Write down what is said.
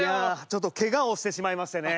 ちょっとケガをしてしまいましてね。